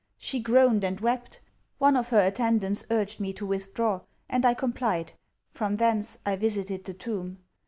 She groaned and wept. One of her attendants urged me to withdraw; and I complied. From thence, I visited the tomb.